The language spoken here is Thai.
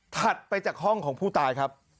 ถัดไปจากห้องของผู้ตายครับ